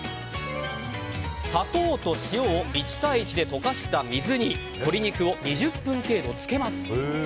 砂糖と塩を１対１で溶かした水に鶏肉を２０分程度漬けます。